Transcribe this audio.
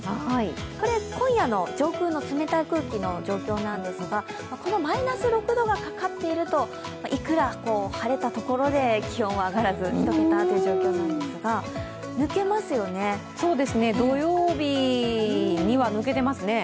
これ、今夜の上空の冷たい空気の状況なんですが、このマイナス６度がかかっているといくら晴れたところで気温は上がらず１桁というところなんですが土曜日には抜けていますね。